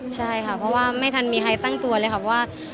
ใช่ค่ะเพราะว่าไม่ทันมีใครตั้งตัวเลยค่ะเพราะว่า